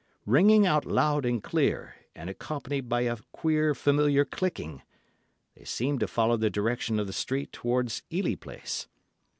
Ringing out loud and clear, and accompanied by a queer familiar clicking, they seemed to follow the direction of the street towards Ely Place.